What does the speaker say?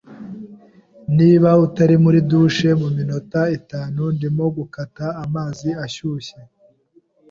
Niba utari muri douche muminota itanu, ndimo gukata amazi ashyushye!